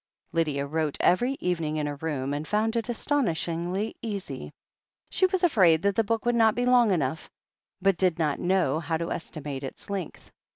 Lydia wrote every evening in her room, and found it astonishingly easy. She was afraid that the book would not be long enough, but did not know how to estimate its length.